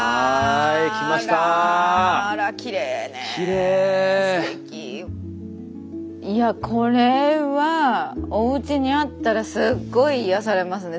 いやこれはおうちにあったらすっごい癒やされますね。